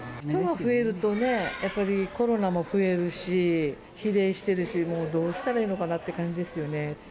人が増えるとね、やっぱりコロナも増えるし、比例してるし、もう、どうしたらいいのかなって感じですよね。